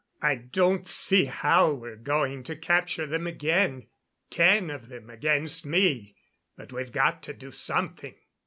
I don't see how we're going to capture them again ten of them against me. But we've got to do something."